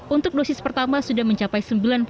untuk dosis pertama sudah mencapai sembilan puluh enam dua